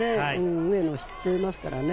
上野を知っていますからね。